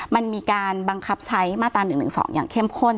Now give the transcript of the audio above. มันมีการบังคับใช้มาตรา๑๑๒อย่างเข้มข้น